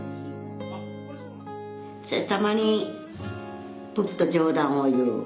たまにぷっと冗談を言う。